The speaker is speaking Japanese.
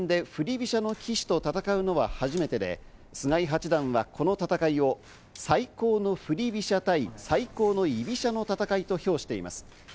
飛車の棋士と戦うのは初めてで、菅井八段はこの戦いを、最高の振り飛車対最高の居飛車の戦いと評しています。